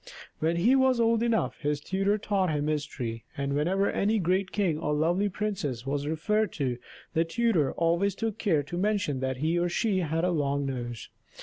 When he was old enough his tutor taught him history; and whenever any great king or lovely princess was referred to, the tutor always took care to mention that he or she had a long nose.